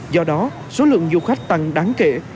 do đó số lượng du khách tăng đáng kể